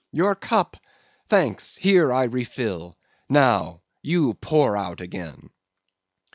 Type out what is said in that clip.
Your cup! Thanks: here I refill; now, you pour out again.